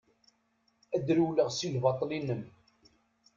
Ad rewleɣ si lbaṭel-inem.